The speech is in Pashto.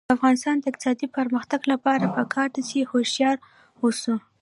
د افغانستان د اقتصادي پرمختګ لپاره پکار ده چې هوښیار اوسو.